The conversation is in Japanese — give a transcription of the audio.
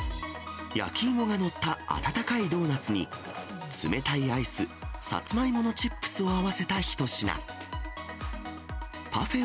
焼き芋が載った温かいドーナツに、冷たいアイス、さつまいものチップスを合わせた一品。